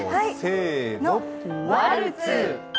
ワルツ。